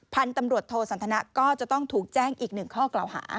พันธุ์ตำรวจโทสันทนะก็จะต้องถูกแจ้งอีกหนึ่งข้อกล่าวหา